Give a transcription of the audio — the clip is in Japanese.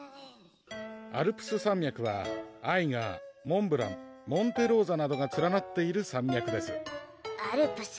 アルプス山脈はアイガーモンブランモンテ・ローザなどがつらなっている山脈ですアルプス？